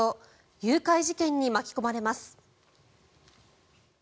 誘拐事件に巻き込まれます。